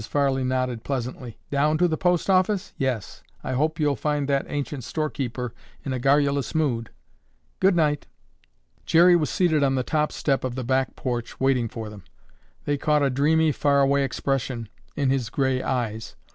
Farley nodded pleasantly. "Down to the post office? Yes, I hope you'll find that ancient storekeeper in a garrulous mood. Good night!" Jerry was seated on the top step of the back porch waiting for them. They caught a dreamy far away expression in his gray eyes.